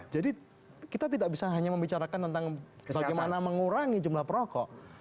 kita tidak bisa hanya membicarakan tentang bagaimana mengurangi jumlah perokok